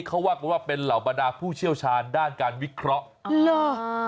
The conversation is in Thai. เขาว่ากันว่าเป็นเหล่าบรรดาผู้เชี่ยวชาญด้านการวิเคราะห์เหรอ